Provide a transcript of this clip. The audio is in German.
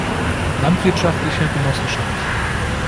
Landwirtschaftliche Genossenschaft.